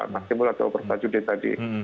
bang timur atau bersatu d tadi